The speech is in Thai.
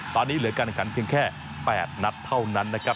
ตอนนี้เหลือการแข่งขันเพียงแค่๘นัดเท่านั้นนะครับ